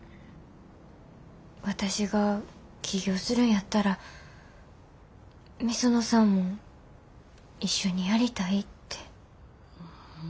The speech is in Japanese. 私が起業するんやったら御園さんも一緒にやりたいって。